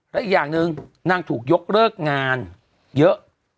และอีกอย่างหนึ่งนางถูกยกเลิกงานเยอะ